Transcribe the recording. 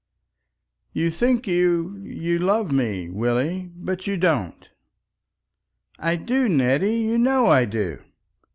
"You think you—you love me, Willie. But you don't." "I do. Nettie! You know I do."